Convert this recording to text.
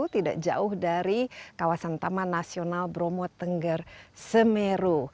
tidak jauh dari kawasan taman nasional bromo tengger semeru